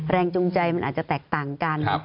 จูงใจมันอาจจะแตกต่างกัน